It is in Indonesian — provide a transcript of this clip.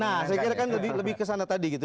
nah saya kira kan lebih ke sana tadi gitu